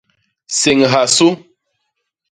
Séñha su.